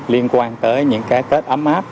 liên quan tới những kết ấm áp